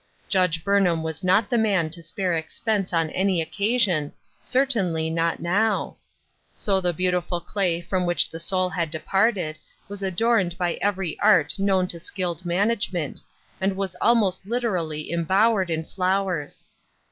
Judge Burnham was not the man to spare expense on any occasion, cer tainly not now ; so the beautiful clay from which the soul had departed was adorned by every art known to skilled management, and was almost literally embowered in flowers.